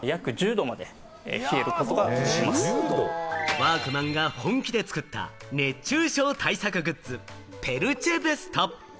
ワークマンが本気で作った熱中症対策グッズ、ペルチェベスト。